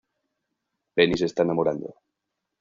Penny se está enamorando.